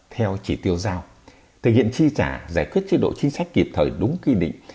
theo chỉ tiêu giao thực hiện tri trả giải quyết chế độ chính sách kịp thời đúng kỳ định